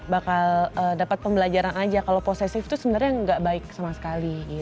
bakal dapat pembelajaran aja kalau posesif itu sebenarnya nggak baik sama sekali